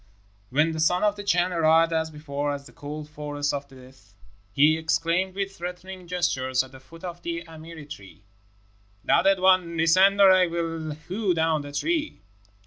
When the Son of the Chan arrived as before at the cold Forest of Death, he exclaimed with threatening gestures at the foot of the amiri tree, "Thou dead one, descend, or I will hew down the tree."